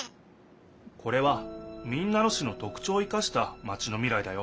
これは民奈野市のとくちょうを生かしたマチの未来だよ。